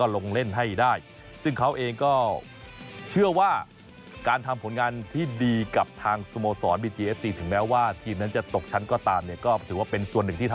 แล้วก็ที่ผ่านมาตอนเอง